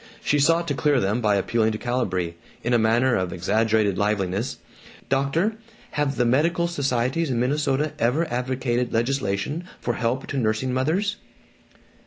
She sought to clear them by appealing to Calibree, in a manner of exaggerated liveliness, "Doctor, have the medical societies in Minnesota ever advocated legislation for help to nursing mothers?"